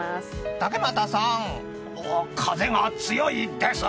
竹俣さん、風が強いです！